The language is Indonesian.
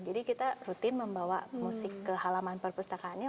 jadi kita rutin membawa musik ke halaman perpustakaannya